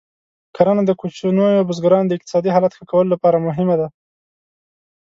کرنه د کوچنیو بزګرانو د اقتصادي حالت ښه کولو لپاره مهمه ده.